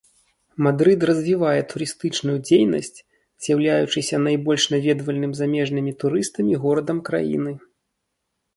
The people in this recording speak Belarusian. Мадрыд развівае турыстычную дзейнасць, з'яўляючыся найбольш наведвальным замежнымі турыстамі горадам краіны.